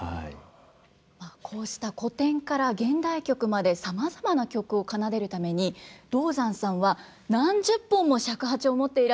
こうした古典から現代曲までさまざまな曲を奏でるために道山さんは何十本も尺八を持っていらして使い分けているということなんです。